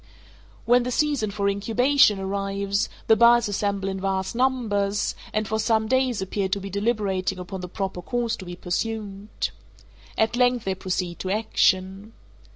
When the season for incubation arrives, the birds assemble in vast numbers, and for some days appear to be deliberating upon the proper course to be pursued. At length they proceed to action.